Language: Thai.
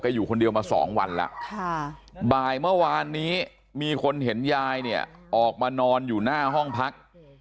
อยู่คนเดียวมาสองวันแล้วบ่ายเมื่อวานนี้มีคนเห็นยายเนี่ยออกมานอนอยู่หน้าห้องพัก